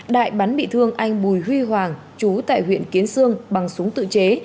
đại bắn bị thương anh bùi huy hoàng chú tại huyện kiến sương bằng súng tự chế